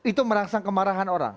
itu merangsang kemarahan orang